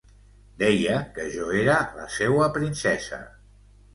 Deia que jo era la seua princesa.